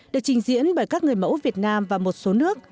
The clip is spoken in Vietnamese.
được trình diễn bởi các người mẫu việt nam và một số nước